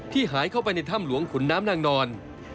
หายเข้าไปในถ้ำหลวงขุนน้ำนางนอน